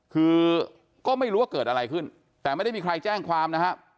คือก็ไม่รู้ว่าเกิดอะไรขึ้นแต่ไม่ได้มีใครแจ้งความนะฮะ